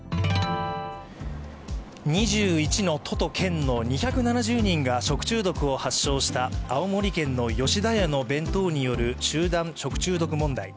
２１の都と県の２７０人が食中毒を発症した青森県の吉田屋の弁当による集団食中毒問題。